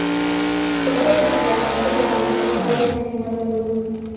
Fue producida íntegramente por The Glimmer Twins.